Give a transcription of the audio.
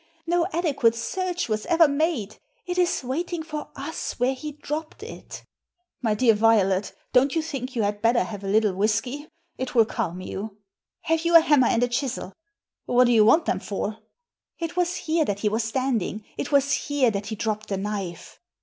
No adequate search was ever made. It is waiting for us where he dropped it" Digitized by VjOOQIC 292 THE SEEN AND THE UNSEEN " My dear Violet, don't you think you had better have a little whisky ? It will calm you." Have you a hamimer and a chisel ?"What do you want them for ?" ^It was here that he was standing; it was here that he dropped the knife."